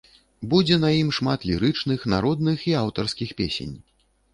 Будзе на ім шмат лірычных, народных і аўтарскіх песень.